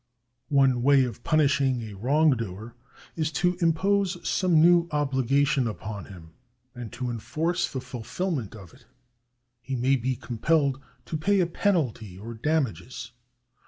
One way of punishing a wrongdoer is to impose some new obligation upon him, and to enforce the fulfilment of it. He may be compelled to pay a penalty or damages.